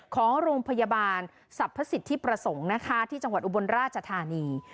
ของโรงพยาบาลสรรพสิทธิประสงค์นะคะที่จังหวัดอุบลราชธานี